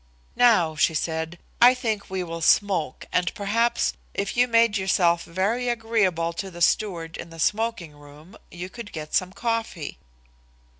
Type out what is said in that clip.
"Now," she said, "I think we will smoke, and perhaps, if you made yourself very agreeable to the steward in the smoking room, you could get some coffee."